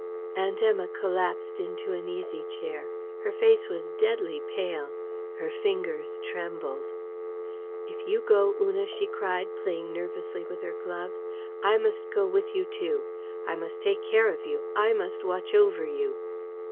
Aunt Emma collapsed into an easy chair. Her face was deadly pale. Her ringers trembled. "If you go, Una," she cried, playing nervously with her gloves, "I must go with you too! I must take care of you: I must watch over you!"